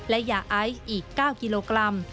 และยาไอซ์อีก๙กิโลกรัม